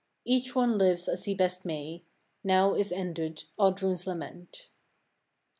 Each one lives as he best may. Now is ended Oddrun's lament.